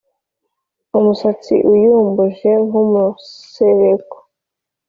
umusatsi uyumbuje nk’ umusereko